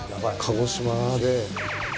鹿児島で。